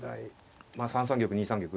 まあ３三玉２三玉。